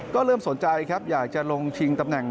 ก็เริ่มสนใจครับอยากจะลงชิงตำแหน่ง